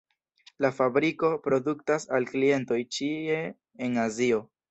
La fabriko produktas al klientoj ĉie en Azio.